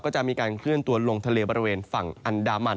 ก็จะมีการเคลื่อนตัวลงทะเลบริเวณฝั่งอันดามัน